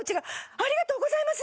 ありがとうございます！